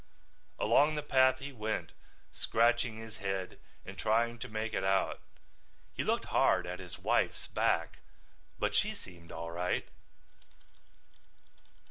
Along the path he went scratching his head and trying to make it out. He looked hard at his wife's back but she seemed all right.